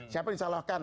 siapa yang disalahkan